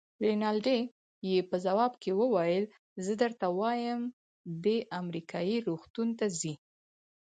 رینالډي یې په ځواب کې وویل: زه درته وایم، دی امریکایي روغتون ته ځي.